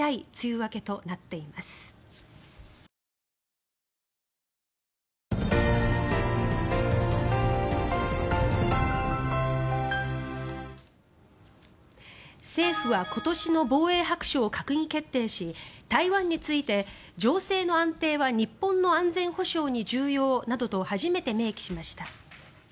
先ほどもお伝えしましたが気象庁は先ほど政府は今年の防衛白書を閣議決定し台湾について、情勢の安定は日本の安全保障に重要などと初めて明記しました。